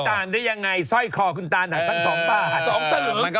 จะไม่ตามได้ยังไงสร้อยคอคุณตาหนังตั้งสองบ้าน